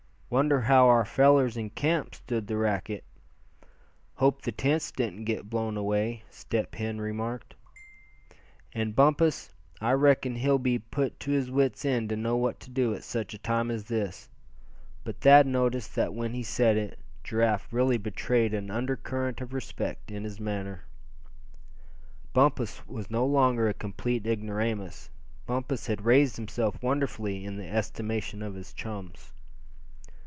"Wonder how our fellers in camp stood the racket. Hope the tents didn't get blown away," Step Hen remarked. "And Bumpus, I reckon he'll be put to his wit's ends to know what to do at such a time as this," but Thad noticed that when he said it, Giraffe really betrayed an undercurrent of respect in his manner. Bumpus was no longer a complete ignoramus; Bumpus had raised himself wonderfully in the estimation of his chums.